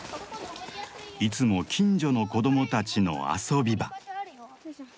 いつも近所の子供たちの遊び場。